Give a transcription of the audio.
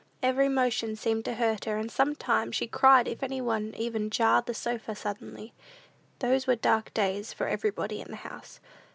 Every motion seemed to hurt her, and sometimes she cried if any one even jarred the sofa suddenly. These were dark days for everybody in the house.